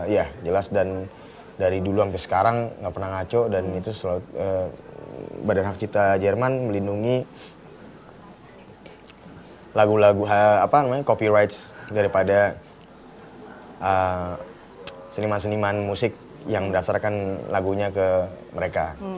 ya jelas dan dari dulu sampai sekarang nggak pernah ngaco dan itu selalu badan hak cipta jerman melindungi lagu lagu copy rights daripada seniman seniman musik yang mendaftarkan lagunya ke mereka